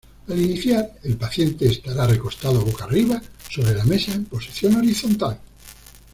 Al iniciar, el paciente estará recostado boca arriba sobre la mesa en posición horizontal.